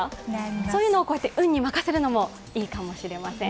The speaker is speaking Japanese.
そういうのを運に任せるのもいいかもしれません。